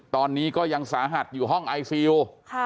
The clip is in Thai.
ตอนนี้ก็ยังสาหัสอยู่ห้องไอซียู